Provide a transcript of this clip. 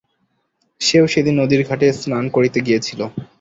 সে-ও সেদিন নদীর ঘাটে স্নান করিতে গিয়েছিল।